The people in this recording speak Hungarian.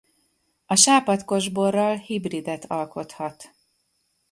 A sápadt kosborral hibridet alkothat.